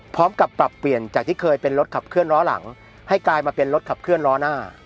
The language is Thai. ปรับเปลี่ยนจากที่เคยเป็นรถขับเคลื่อล้อหลังให้กลายมาเป็นรถขับเคลื่อล้อหน้า